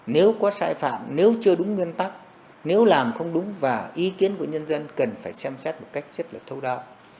nếu có sai phạm nếu chưa đúng nguyên tắc nếu làm không đúng và ý kiến của nhân dân cần phải xem xét một cách rất là thâu đao